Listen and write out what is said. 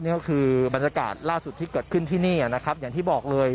นี่ก็คือบรรยากาศล่าสุดที่เกิดขึ้นที่นี่นะครับอย่างที่บอกเลย